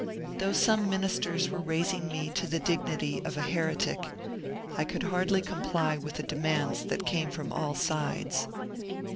Though some ministers were raising me to the dignity of a heretic, I could hardly comply with the demands that came from all sides.